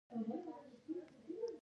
تیاره زړه تنګوي